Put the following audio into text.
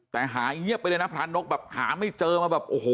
แต่หายเงียบไปเลยนะพระนกแบบหาไม่เจอมาแบบโอ้โห